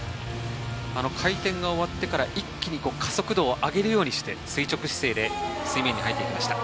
回転が終わってから、一気に加速度を上げるようにして、垂直姿勢で水面に入っていきました。